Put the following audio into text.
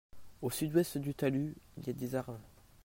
Au sud-ouest du talus il y a des arbres.